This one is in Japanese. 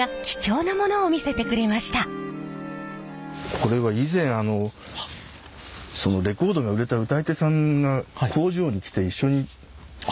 これは以前レコードが売れた歌い手さんが工場に来て一緒に撮ったものですね。